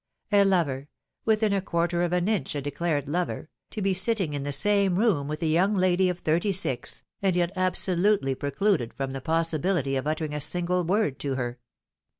A lover (within a quarter of an inch a declared lover) to be sitting in the same room with a young lady of thirty six, and yet absolutely precluded from the possibility of uttering a single word to her